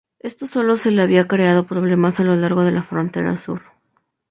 Esto solo le había creado problemas a lo largo de la frontera sur.